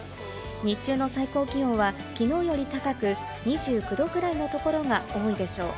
日中の最高気温は、きのうより高く、２９度くらいのところが多いでしょう。